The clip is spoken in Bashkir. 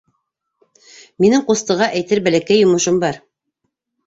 Минең ҡустыға әйтер бәләкәй йомошом бар...